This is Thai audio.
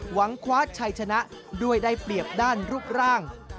หวังคว้าชัยชนะด้วยได้เปรียบด้านรูปร่าง